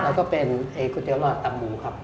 แล้วก็เป็นคุดเดี้ยวรอดตำมุครับ